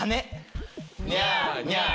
ニャーニャー。